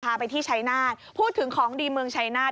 พาไปที่ชัยนาศพูดถึงของดีเมืองชัยนาธ